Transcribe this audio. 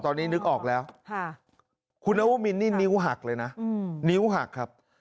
ตอนนี้นึกออกแล้วคุณนวมินนี่นิ้วหักเลยนะนิ้วหักครับ